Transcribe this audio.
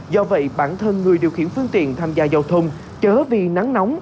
do vậy bản thân người điều khiển phương tiện tham gia giao thông chớ vì nắng nóng